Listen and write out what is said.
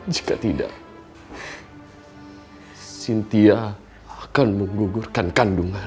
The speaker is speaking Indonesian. jika tidak sintia akan menggugurkan kandungan